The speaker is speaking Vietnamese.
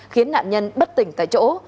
khiến nạn nhân bất tỉnh tại chỗ